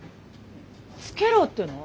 つけろって言うの？